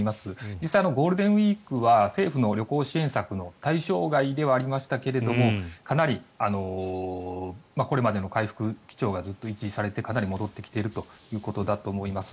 実際、ゴールデンウィークは政府の旅行支援策の対象外ではありましたけどかなりこれまでの回復基調がずっと維持されてかなり戻ってきてるということだと思います。